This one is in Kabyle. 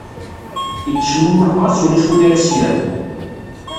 Yettecmumuḥ ɣas ulac win ara ad as-yerren.